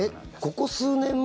ここ数年